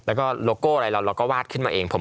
แล้วก็โลโก้อะไรเราเราก็วาดขึ้นมาเอง